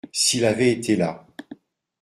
S’il avait été là.